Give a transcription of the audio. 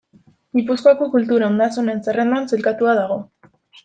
Gipuzkoako kultura ondasunen zerrendan sailkatua dago.